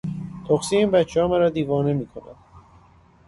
تخسی این بچهها مرا دیوانه میکند.